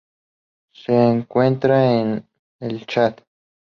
Se encuentra en el Chad.